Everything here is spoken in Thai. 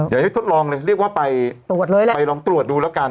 อยากให้ทดลองเลยเรียกว่าไปลองตรวจดูแล้วกัน